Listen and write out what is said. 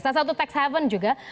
salah satu tax haven juga